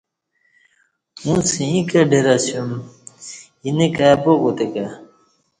اݩڅ ییں کہ ڈر اسیوم اینہ کائ با کوتہ کہ